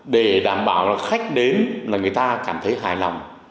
để đảm bảo là khách đến là người ta cảm thấy hài lòng